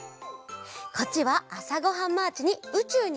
こっちは「あさごはんマーチ」に「うちゅうにムチュー」のえ！